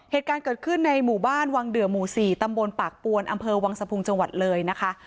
เหตุการณ์เกิดขึ้นในหมู่บ้านวังเดือหมู่๔ตำบลปากปวนอำเภอวังสะพุงจังหวัดเลยนะคะ